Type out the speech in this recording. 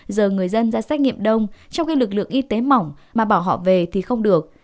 giờ người dân ra xét nghiệm đông trong khi lực lượng y tế mỏng mà bỏ họ về thì không được